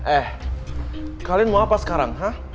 eh kalian mau apa sekarang